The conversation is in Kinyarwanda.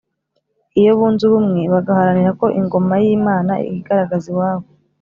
iyo bunze ubumwe bagaharanira ko ingoma y’imana yigaragaza iwabo,